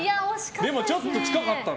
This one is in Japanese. でもちょっと近かったな。